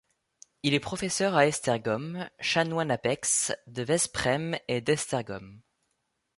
Il est professeur à Esztergom, chanoine à Pécs, de Veszprém et d'Esztergom.